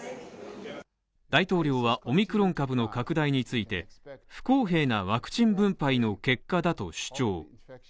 大統領は、オミクロン株の拡大について、不公平なワクチン分配の結果だと主張。